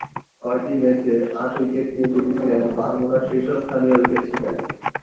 ছয়টি ম্যাচে আট উইকেট নিয়ে তিনি ছিলেন বারমুডার শীর্ষস্থানীয় উইকেট শিকারী।